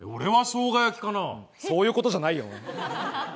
そういうことじゃないよね。